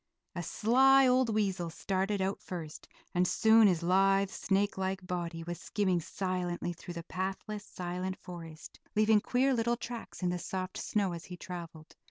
A sly old weasel started out first, and soon his lithe, snake like body was skimming silently through the pathless, silent forest, leaving queer little tracks in the soft snow as he traveled.